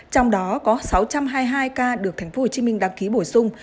trong đó có sáu trăm hai mươi hai ca được tp hcm đăng ký bổ sung